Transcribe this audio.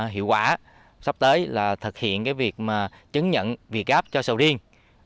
hiệu quả sắp tới là thực hiện việc chứng nhận việt gáp cho sầu riêng